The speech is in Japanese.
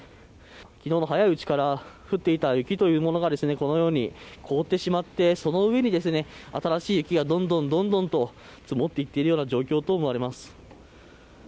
昨日の早いうちから降っていた雪というものが、このように凍ってしまって、その上に新しい雪がどんどん、どんどんと積もっていっているような状況だと思われます。